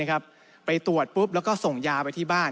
ปุ๊บไปตรวจแล้วก็ส่งยาไปที่บ้าน